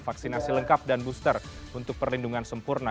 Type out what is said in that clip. vaksinasi lengkap dan booster untuk perlindungan sempurna